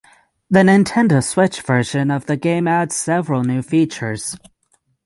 The Nintendo Switch version of the game adds several new features.